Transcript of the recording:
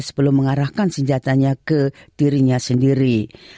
sebelum mengarahkan senjatanya ke dirinya sendiri